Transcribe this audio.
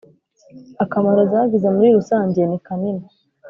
akamaro zagize muri rusange nikanini.